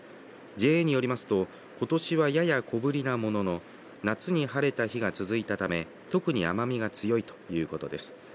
ＪＡによりますとことしは、やや小ぶりなものの夏に晴れた日が続いたため特に甘みが強いということです。